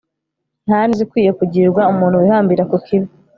nta neza ikwiye kugirirwa umuntu wihambira ku kibi